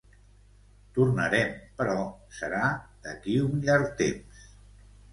Tornarem però, serà d'aquí un llarg temps.